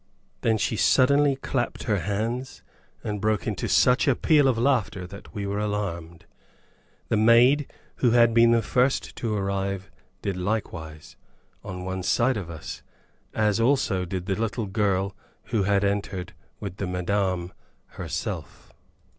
Then she suddenly clapped her hands, and broke into such a peal of laughter that we were alarmed. The maid, who had been the first to arrive, did likewise, on one side of us, as also did the little girl who had entered with the madame herself.